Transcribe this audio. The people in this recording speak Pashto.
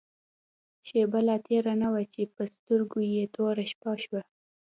شېبه لا تېره نه وه چې په سترګو يې توره شپه شوه.